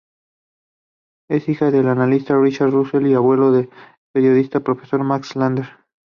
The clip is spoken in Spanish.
Es hija del analista Richard Russell, y abuelo del periodista y profesor Max Lerner.